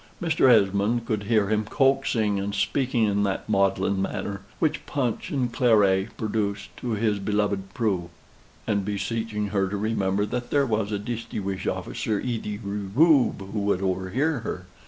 Mr. Esmond could hear him coaxing and speaking in that maudlin manner, which punch and claret produce, to his beloved Prue, and beseeching her to remember that there was a distiwisht officer ithe rex roob, who would overhear her.